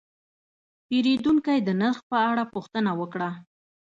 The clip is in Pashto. پیرودونکی د نرخ په اړه پوښتنه وکړه.